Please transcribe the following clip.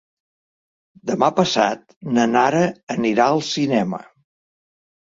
Demà passat na Nara anirà al cinema.